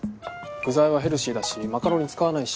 具材はヘルシーだしマカロニ使わないし。